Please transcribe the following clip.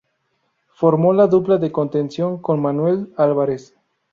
Formó la dupla de contención con Manuel Álvarez.